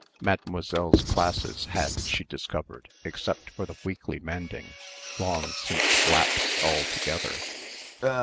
Mademoiselle's classes had, she discovered, except for the weekly mending long since lapsed altogether.